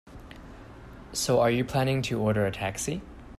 So, are you planning to order a taxi?